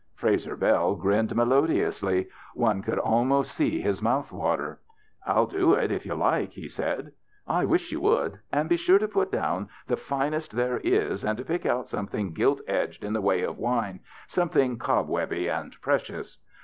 Frazer Bell grinned melodiously^ One could almost see his mouth water. " I'll do it if you like," he said. " I wish you would. And be sure to put down the finest there is, and to pick out something gilt edged in the way of wine ; something cobwebby and precious."